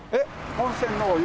温泉のお湯。